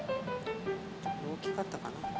大きかったかな。